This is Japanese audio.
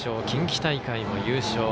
近畿大会も優勝